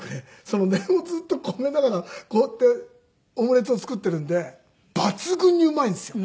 その念をずっと込めながらこうやってオムレツを作っているんで抜群にうまいんですよ。